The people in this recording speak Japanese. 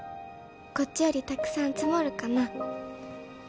「こっちよりたくさん積もるかな」